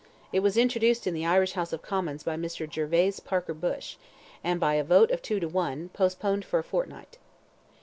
It was introduced in the Irish House of Commons by Mr. Gervase Parker Bushe, and, by a vote of two to one, postponed for a fortnight.